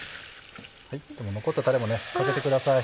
残ったたれもかけてください。